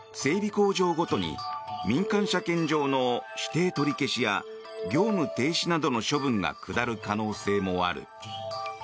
工場ごとに民間車検場の指定取り消しや業務停止などの処分が下る可能性もある。